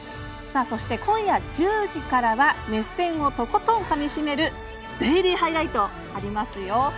そして今夜１０時からは熱戦をとことんかみ締める「デイリーハイライト」ありますよ。